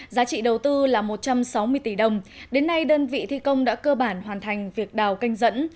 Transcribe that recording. giá trị đầu tư là một trăm sáu mươi tỷ đồng đến nay đơn vị thi công đã cơ bản hoàn thành việc đào canh dẫn